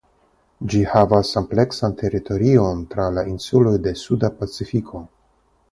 Ĝi havas ampleksan teritorion tra la insuloj de Suda Pacifiko.